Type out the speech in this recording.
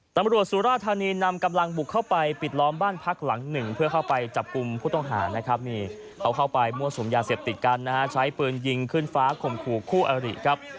สุราธานีนำกำลังบุกเข้าไปปิดล้อมบ้านพักหลังหนึ่งเพื่อเข้าไปจับกลุ่มผู้ต้องหานะครับนี่เขาเข้าไปมั่วสุมยาเสพติดกันนะฮะใช้ปืนยิงขึ้นฟ้าข่มขู่คู่อริครับ